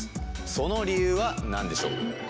その理由は何でしょう？